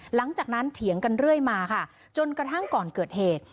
เถียงกันเรื่อยมาค่ะจนกระทั่งก่อนเกิดเหตุ